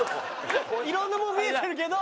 いろんなものを見えてるけど。